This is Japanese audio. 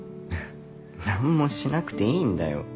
何もしなくていいんだよ。